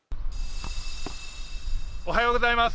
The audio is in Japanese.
おはようございます。